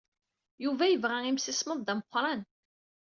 Yuba yebɣa imsismeḍ d ameqran.